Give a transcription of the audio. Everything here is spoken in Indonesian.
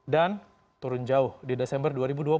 dan turun jauh di desember dua ribu dua puluh